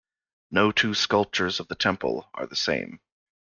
No two sculptures of the temple are the same.